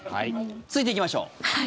続いて行きましょう。